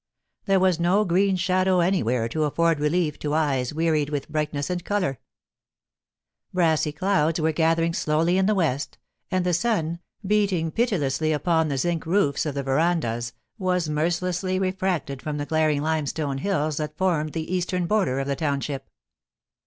There was no green shadow anywhere to afford relief to eyes wearied with brightness and colour. Brassy clouds were gathering slowly in the west, and the sun, beating pitilessly upon the zinc roofs of the verandahs, was mercilessly refracted from the glaring limestone hills that formed the eastern border of the township.